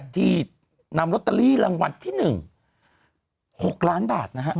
ที่นำหนังวัลรอเตอรี่๑ประเตอรี่๖ล้านบาท